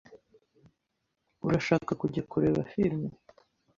Urashaka kujya kureba film?